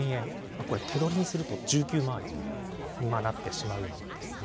手取りにすると１９万円になってしまうんです。